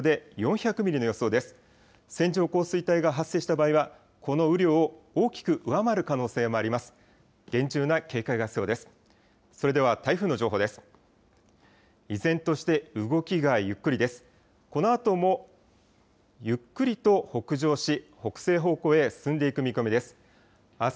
このあともゆっくりと北上し、北西方向へ進んでいく見込みです。